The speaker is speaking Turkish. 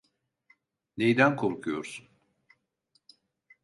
Neyden korkuyorsun?